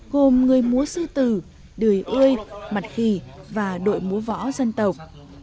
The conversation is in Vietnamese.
gồm người múa sư tử đười ươi mặt khỉ và đội múa võ dân tộc